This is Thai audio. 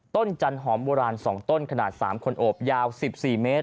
จันหอมโบราณ๒ต้นขนาด๓คนโอบยาว๑๔เมตร